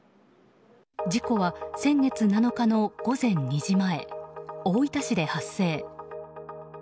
事故は先月７日の午前２時前大分市で発生。